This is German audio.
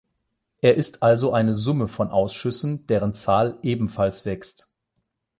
Er ist also eine Summe von Ausschüssen, deren Zahl ebenfalls wächst.